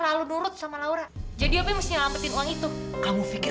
aduh bener benernya orang ini